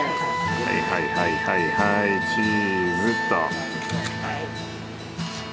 はいはいはいはいはいチーズと。